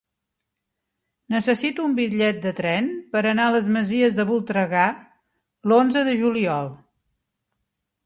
Necessito un bitllet de tren per anar a les Masies de Voltregà l'onze de juliol.